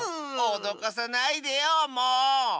おどかさないでよもう！